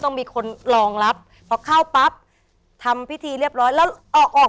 ต้องมีคนรองรับพอเข้าปั๊บทำพิธีเรียบร้อยแล้วออกออก